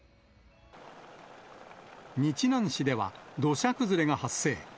日南市では、土砂崩れが発生。